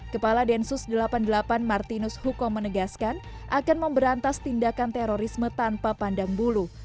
kepala densus delapan puluh delapan martinus huko menegaskan akan memberantas tindakan terorisme tanpa pandang bulu